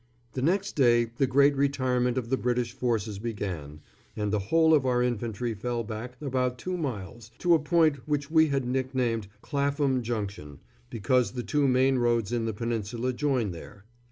The next day the great retirement of the British forces began, and the whole of our infantry fell back about two miles to a point which we had nicknamed Clapham Junction, because the two main roads in the Peninsula join there.